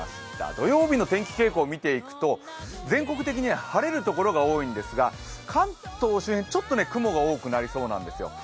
土曜日の天気傾向を見ていくと全国的に晴れるところが多くなりそうですが関東周辺、ちょっと雲が多くなりそうなんですよ。